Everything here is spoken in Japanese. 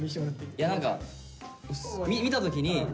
いや何か見た時に。